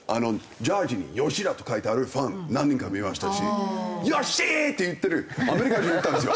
ジャージーに「ＹＯＳＨＩＤＡ」と書いてあるファン何人か見ましたし「ヨシー！」って言ってるアメリカ人いたんですよ。